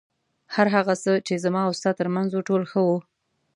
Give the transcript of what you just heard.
هر هغه څه چې زما او ستا تر منځ و ټول ښه وو.